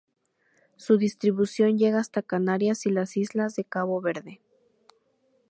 Su distribución llega hasta Canarias y las islas de Cabo Verde.